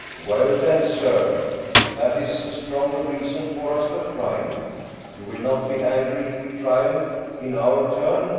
" Well, then, sir, that is a stronger reason for us to try it. You will not be angry if we triumph in our turn